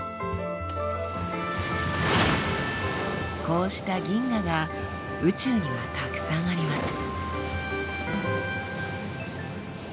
こうした銀河が宇宙にはたくさんあります。